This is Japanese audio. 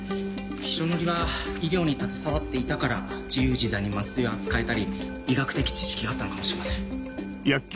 白塗りは医療に携わっていたから自由自在に麻酔を扱えたり医学的知識があったのかもしれません。